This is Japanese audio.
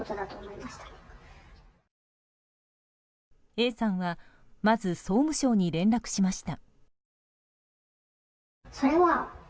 Ａさんはまず総務省に連絡しました。